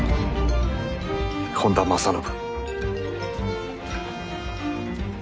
本多正信。